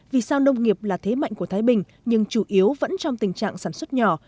vì sao nông nghiệp là thế mạnh của thái bình nhưng chủ yếu vẫn trong tình trạng sản xuất nhỏ